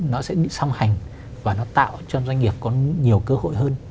nó sẽ xong hành và nó tạo cho doanh nghiệp có nhiều cơ hội hơn